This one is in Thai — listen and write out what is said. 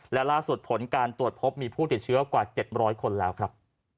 และล่าสุดผลการตรวจพบมีผู้ติดเชื้อกว่า๗๐๐คนแล้วครับ